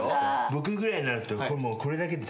僕ぐらいになるとこれだけで食べちゃう。